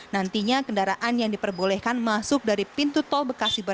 nantinya kendaraan yang diperbolehkan masuk dari perhubungan infrastruktur